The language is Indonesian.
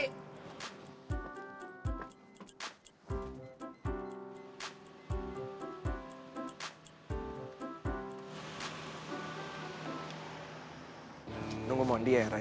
menunggu mondi ya teng